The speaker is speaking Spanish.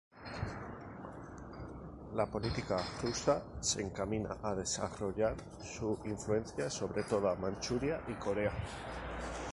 La política rusa se encaminaba a desarrollar su influencia sobre toda Manchuria y Corea.